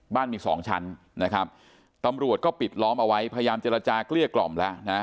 บ้านมีสองชั้นนะครับตำรวจก็ปิดล้อมเอาไว้พยายามเจรจาเกลี้ยกล่อมแล้วนะ